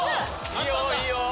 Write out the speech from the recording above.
いいよいいよ！